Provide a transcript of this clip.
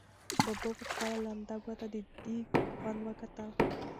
ببو په خپله لمده ګوته د دېګ خوند وکتل.